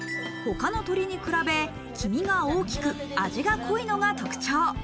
他の鶏に比べ、黄身が大きく、味が濃いのが特徴。